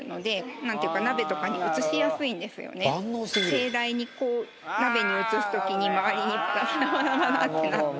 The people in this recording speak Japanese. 盛大にこう鍋に移す時に周りにバラバラバラってなって。